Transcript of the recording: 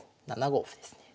７五歩ですね。